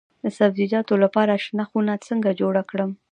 د سبزیجاتو لپاره شنه خونه څنګه جوړه کړم؟